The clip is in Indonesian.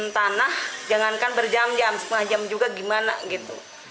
tanah jangankan berjam jam setengah jam juga gimana gitu